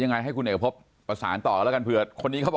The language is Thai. ยังไงให้คุณเอกพบประสานต่อกันแล้วกันเผื่อคนนี้เขาบอก